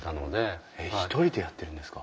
えっ１人でやってるんですか？